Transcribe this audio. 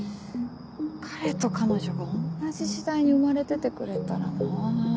彼と彼女が同じ時代に生まれててくれたらな。